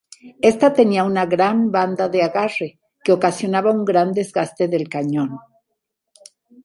Esta tenía una gran banda de agarre, que ocasionaba un gran desgaste del cañón.